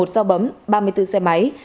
một sao bấm ba mươi bốn xe máy